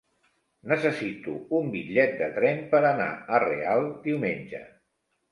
Necessito un bitllet de tren per anar a Real diumenge.